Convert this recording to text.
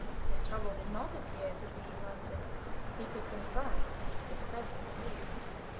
His trouble did not appear to be one that he could confide at present, at least.